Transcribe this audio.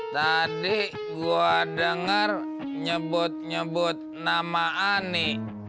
tadi gue denger nyebut nyebut nama ani